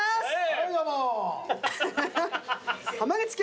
はいどうぞ！